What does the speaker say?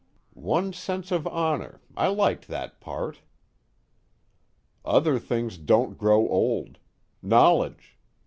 '" "'One's sense of honor' I liked that part." "Other things don't grow old. Knowledge.